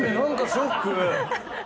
ショック？